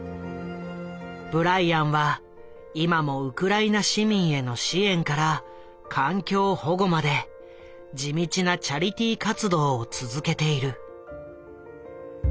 ブライアンは今もウクライナ市民への支援から環境保護まで地道なチャリティー活動を続けている。